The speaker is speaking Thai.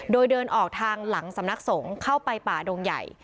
โดยเดินออกทางหลังสำนักสงฆ์เข้าไปป่าดงใหญ่